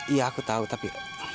iya aku tau tapi